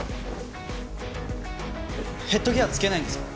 ヘッドギア着けないんですか？